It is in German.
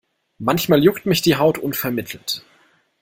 Manchmal juckt mich die Haut unvermittelt.